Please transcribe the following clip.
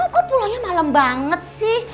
kok pulangnya malam banget sih